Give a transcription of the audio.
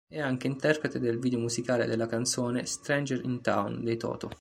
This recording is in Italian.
È anche interprete del video musicale della canzone "Stranger in Town" dei Toto.